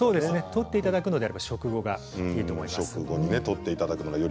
とっていただくのであれば食後がいいと思います。